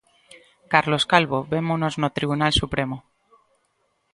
Carlos Calvo, vémonos no Tribunal Supremo.